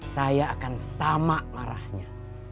saya akan sama marahnya